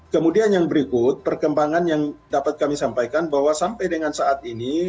kemudian yang berikut perkembangan yang dapat kami sampaikan bahwa sampai dengan saat ini